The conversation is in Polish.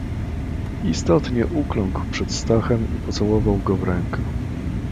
"Istotnie ukląkł przed Stachem i pocałował go w rękę."